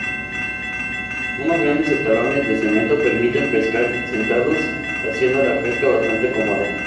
Unos grandes escalones de cemento permiten pescar sentados, haciendo la pesca bastante cómoda.